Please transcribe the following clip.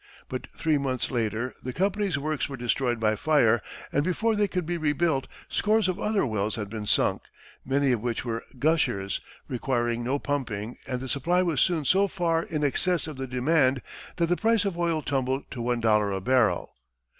But three months later, the company's works were destroyed by fire, and before they could be rebuilt, scores of other wells had been sunk, many of which were "gushers," requiring no pumping, and the supply was soon so far in excess of the demand that the price of oil tumbled to one dollar a barrel.